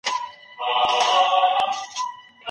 که تاسي سره یو سئ افغانستان به بیا د اسیا زړه سي.